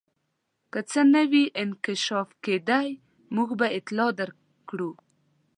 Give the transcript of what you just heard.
که څه نوی انکشاف کېدی موږ به اطلاع درکړو.